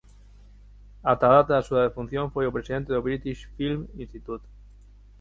Ata a data da súa defunción foi o presidente do British Filme Institute.